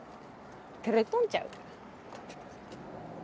照れとんちゃう？